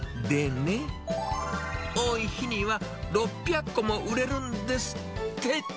でね、多い日には６００個も売れるんですって。